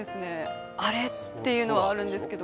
あれっていうのはあるんですけど。